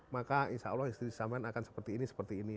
maka insya allah istri samen akan seperti ini seperti ini